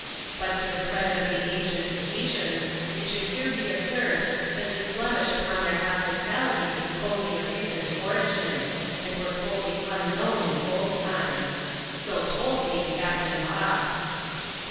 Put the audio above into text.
• But to the credit of the ancient Tahitians, it should here be observed, that this blemish upon their hospitality is only of recent origin, and was wholly unknown in old times. So told me Captain Bob.